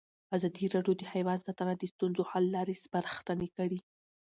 ازادي راډیو د حیوان ساتنه د ستونزو حل لارې سپارښتنې کړي.